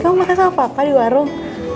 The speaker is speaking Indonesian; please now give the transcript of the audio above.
kamu makan sama papa di warung